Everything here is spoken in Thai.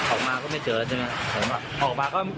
ออกมาก็ไม่เจอใช่ไหมออกมาก็